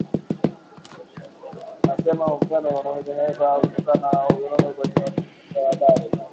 linasema mvutano unaongezeka kutokana na vurugu kwenye utoaji wa habari